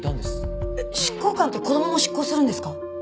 えっ執行官って子供も執行するんですか？